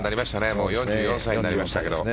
もう４４歳になりましたか。